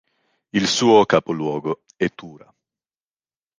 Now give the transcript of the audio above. Il suo capoluogo è Tura.